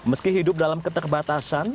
meski hidup dalam keterbatasan